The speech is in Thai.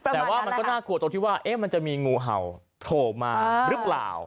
แต่ว่ามันก็น่ากลัวตกว่าเอ๊ะมันจะมีงูเห่าโถมารึเปล่า